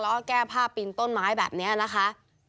แล้วก็แก้ผ้าปีนต้นไม้แบบนี้นะคะ